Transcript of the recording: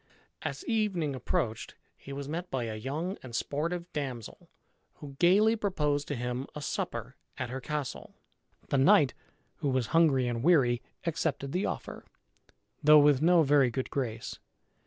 As evening approached he was met by a young and sportive damsel, who gayly proposed to him a supper at her castle. The knight, who was hungry and weary, accepted the offer, though with no very good grace.